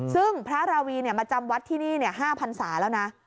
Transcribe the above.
ซึ่งพระราวีมาจำวัดที่นี่๕พันศาแล้วนะ